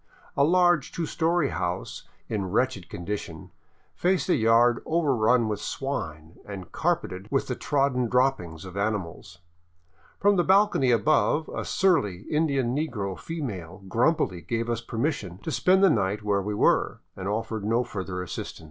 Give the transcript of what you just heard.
A large two story house in wretched condition faced a yard overrun with swine and carpeted with the trodden droppings of animals. From the bal cony above, a surly Indian negro female grumpily gave us permission to spend the night where we were, and offered no further assistance.